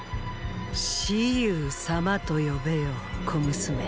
蚩尤様と呼べよ小娘。